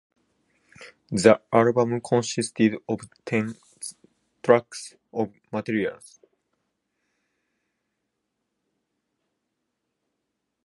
The album consisted of ten tracks of material.